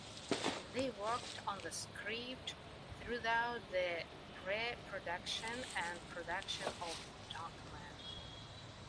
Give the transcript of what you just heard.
They worked on the script throughout the pre-production and production of "Darkman".